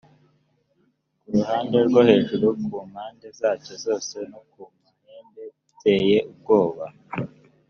ku ruhande rwo hejuru ku mpande zacyo zose no ku mahembe iteye ubwoba